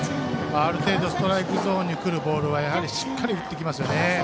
ある程度ストライクゾーンに来るボールはやはり、しっかり振ってきますね。